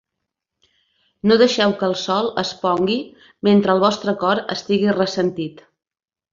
No deixeu que el sol es pongui mentre el vostre cor estigui ressentit.